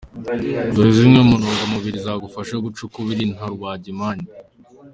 Dore zimwe mu ntungamubiri zagufasha guca ukubiri na rubagimpande.